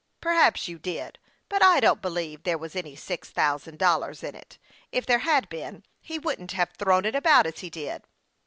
" Perhaps you did, but I don't believe there was any six thousand dollars in it. If there had been, he wouldn't have thrown it about as he did."